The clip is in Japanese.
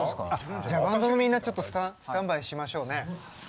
じゃあバンドのみんなちょっとスタンバイしましょうね。